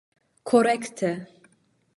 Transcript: korekte